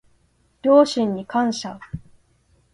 両親に感謝